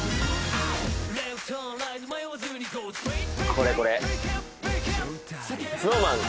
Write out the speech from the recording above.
これこれＳｎｏｗＭａｎ